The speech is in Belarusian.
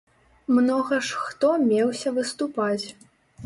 Многа ж хто меўся выступаць.